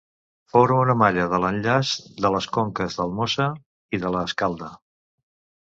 Forma una malla de l'enllaç de les conques del Mosa i de l'Escalda.